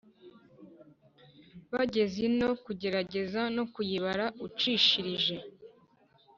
bageze ino kugerageza no kuyibara ucishirije